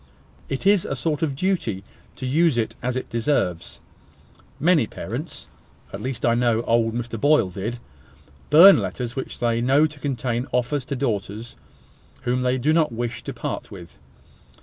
It is a sort of duty to use it as it deserves. Many parents (at least I know old Mr Boyle did) burn letters which they know to contain offers to daughters whom they do not wish to part with.